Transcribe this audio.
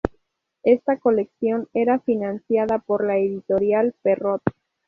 Esta colección era financiada por la editorial Perrot.